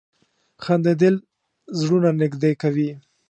• خندېدل زړونه نږدې کوي.